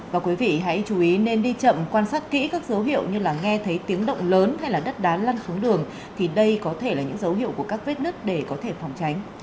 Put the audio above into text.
và quý vị hãy chú ý nên đi chậm quan sát kỹ các dấu hiệu như là nghe thấy tiếng động lớn hay là đất đá lăn xuống đường thì đây có thể là những dấu hiệu của các vết nứt để có thể phòng tránh